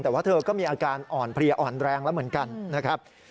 แต่ว่าเธอก็มีอาการอ่อนเพลียอ่อนแรงแล้วเหมือนกันนะครับ